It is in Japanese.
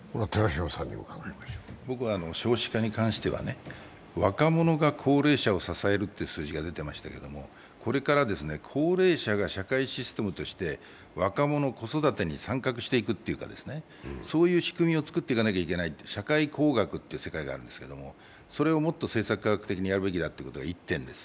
僕は少子化に関しては若者が高齢者を支える数字が出ていましたけれども、これから高齢者が社会システムとして若者、子育てに参画していくという仕組みを作っていかなければいけない、社会工学っていう世界があるんですけど、それをもっと政策科学的にやるべきだというのが１点です。